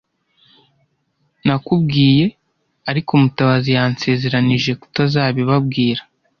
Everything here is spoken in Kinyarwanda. Nakubwiye, ariko Mutabazi yansezeranije kutazabibabwira.